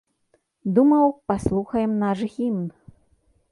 Думаў, паслухаем наш гімн.